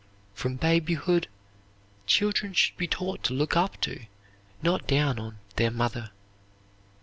From babyhood children should be taught to look up to, not down on their mother.